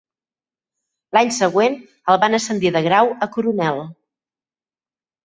L'any següent el van ascendir de grau a coronel.